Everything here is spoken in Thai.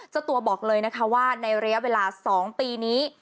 เจ้าตัวบอกเลยนะคะว่าในระยะเวลา๒ปีนี้